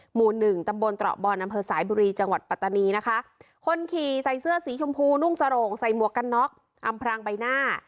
หมู่หนึ่งตำบลตระบอนอำเภอสายบุรีจังหวัดปัตตานีนะคะคนขี่ใส่เสื้อสีชมพูนุ่งสโรงใส่หมวกกันน็อกอำพรางใบหน้า